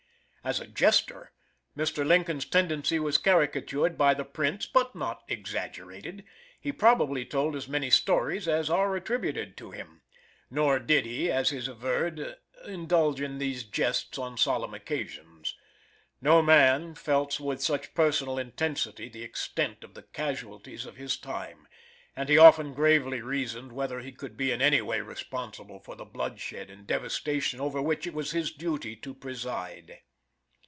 As a jester, Mr. Lincoln's tendency was caricatured by the prints, but not exaggerated. He probably told as many stories as are attributed to him. Nor did he, as is averred, indulge in these jests on solemn occasions. No man felt with such personal intensity the extent of the casualties of his time, and he often gravely reasoned whether he could be in any way responsible for the bloodshed and devastation over which it was his duty to preside.